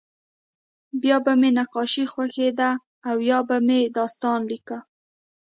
بیا به مې نقاشي خوښېده او یا به مې داستان لیکه